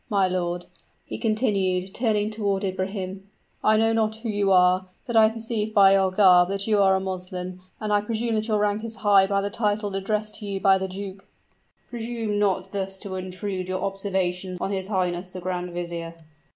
My lord," he continued, turning toward Ibrahim, "I know not who you are; but I perceive by your garb that you are a Moslem, and I presume that your rank is high by the title addressed to you by the duke " "Presume not thus to intrude your observations on his highness the grand vizier!"